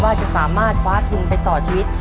ว่าจะสามารถคว้าทุนไปต่อชีวิต